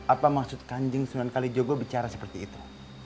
apa maksud kanjeng senopati jogo bicara seperti itu